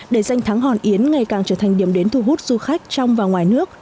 để danh thắng hòn yến ngày càng trở thành điểm đến thu hút du khách trong và ngoài nước